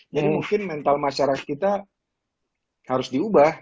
jadi mungkin mental masyarakat kita harus diubah